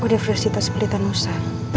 bodiding universitas pelitanusa